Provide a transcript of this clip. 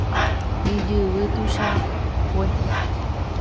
Ijyvy tuichakue.